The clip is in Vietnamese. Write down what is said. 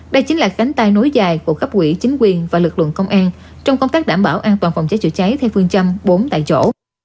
đây chính là cánh tay nối dài của cấp quỹ chính quyền và lực lượng công an trong công tác đảm bảo an toàn phòng cháy chữa cháy theo phương châm bốn tại chỗ